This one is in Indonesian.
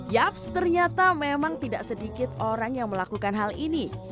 yaps ternyata memang tidak sedikit orang yang melakukan hal ini